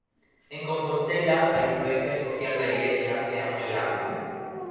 En Compostela a influencia social da Igrexa era moi grande.